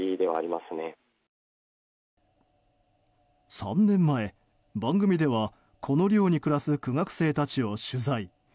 ３年前、番組ではこの寮に暮らす苦学生たちを取材。